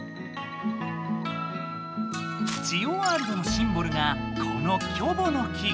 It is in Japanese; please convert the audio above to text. ジオワールドのシンボルがこの「キョボの木」。